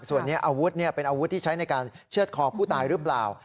ส่วนนี้อาวุธเป็นอาวุธที่ใช้ในการเชื่อดคอผู้ตายหรือเปล่า